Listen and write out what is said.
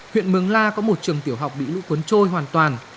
huyện mường la có một trường tiểu học bị lũ cuốn trôi hoàn toàn